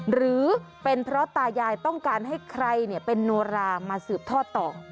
หรือเป็นเพราะตายายต้องการให้ใครเป็นโนรามาสืบทอดต่อ